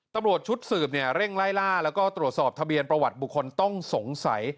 ตำรวจชุดสืบเร่งไล่ล่าแล้วก็ตรวจสอบทะเบียนประวัติบุคคลต้องสงสัย